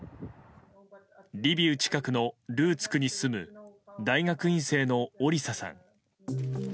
リビウ近くのルーツクに住む大学院生のオリサさん。